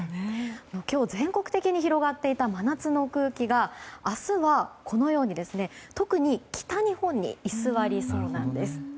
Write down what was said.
今日全国的に広がっていた真夏の空気が明日は、特に北日本に居座りそうなんです。